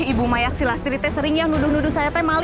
ibu mayaksi lastri sering yang nuduh nuduh saya